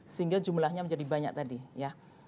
sehingga jumlahnya menjadi banyak tadi ya